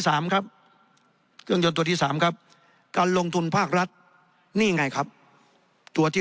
ครับเครื่องยนต์ตัวที่สามครับการลงทุนภาครัฐนี่ไงครับตัวที่